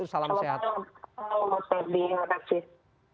waalaikumsalam wr wb terima kasih